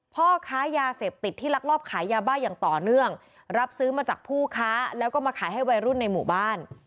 พ่อค้ายาเสพติดที่ลักลอบขายยาบ้าอย่างต่อเนื่องรับซื้อมาจากผู้ค้าแล้วก็มาขายให้วัยรุ่นในหมู่บ้าน